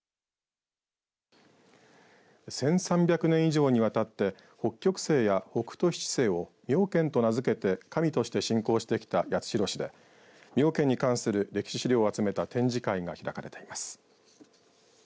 １３００年以上にわたって北極星や北斗七星を妙見と名づけて神として信仰してきた八代市で妙見に関する歴史資料を集めた展示会が開かれています。